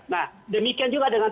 nah demikian juga dengan